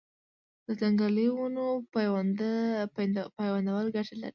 د ځنګلي ونو پیوندول ګټه لري؟